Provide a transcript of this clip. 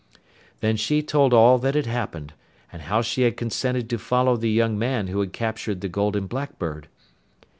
Then she told all that had happened, and how she had consented to follow the young man who had captured the Golden Blackbird.